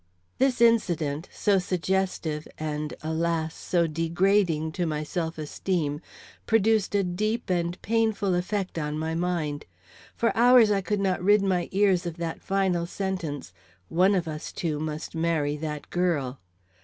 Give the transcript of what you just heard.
This incident, so suggestive, and, alas! so degrading to my self esteem, produced a deep and painful effect on my mind. For hours I could not rid my ears of that final sentence: "One of us two must marry that girl."